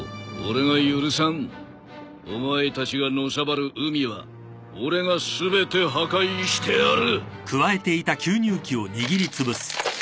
お前たちがのさばる海は俺が全て破壊してやる。